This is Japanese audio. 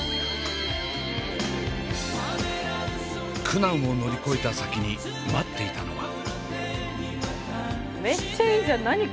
苦難を乗り越えた先に待っていたのは。